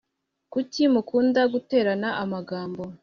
Kuki mukunda guterana amagambo